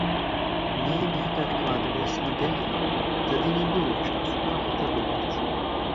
Неяк гэта адкладвалася надалей, тады не было часу пра гэта думаць.